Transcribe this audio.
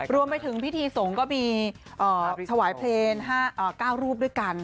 รวมไปถึงพิธีสงฆ์ก็มีถวายเพลง๙รูปด้วยกัน